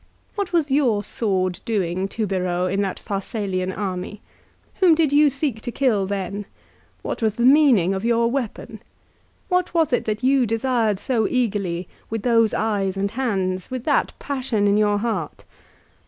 What was your sword doing, Tubero, in that Pharsalian army ? Whom did you seek to kill then ? What was the meaning of your weapon ? What was it that you desired so eagerly, with those eyes and hands, with that passion in your heart